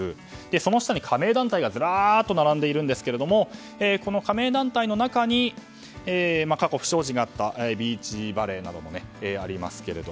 その下に加盟団体がずらっと並んでいるんですけどもこの加盟団体の中に過去、不祥事があったビーチバレーなどもありますが。